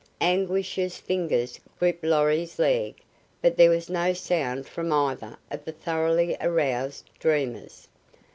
Anguish's fingers gripped Lorry's leg, but there was no sound from either of the thoroughly aroused dreamers.